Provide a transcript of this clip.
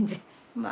まあ。